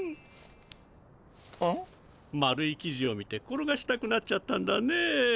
丸いきじを見て転がしたくなっちゃったんだね。